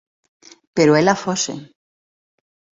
Pero ela foxe.